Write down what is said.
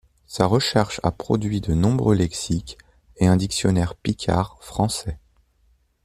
Sa recherche a produit de nombreux lexiques et un dictionnaire picard-français.